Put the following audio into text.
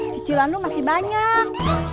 cicilan lo masih banyak